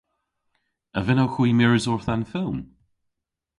A vynnowgh hwi mires orth an fylm?